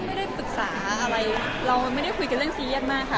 ไม่ได้ปรึกษาอะไรเราไม่ได้คุยกันเรื่องซีเรียสมากค่ะ